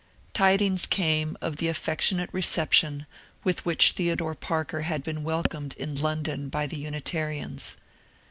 Tidings came of the affectionate reception with which Theodore Parker had been welcomed in London by the Unitarians.